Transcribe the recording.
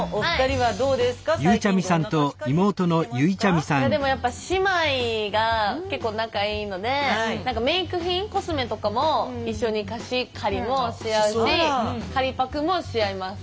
いやでもやっぱ姉妹が結構仲いいのでメーク品コスメとかも一緒に貸し借りもし合うし借りパクもし合います。